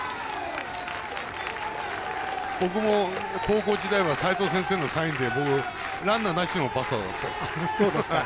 僕も高校時代は先生のサインでランナーなしでもバスターだったですから。